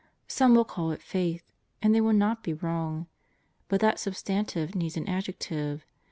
Some will call it Faith. And they will not be wrong. But that substantive needs an adjective.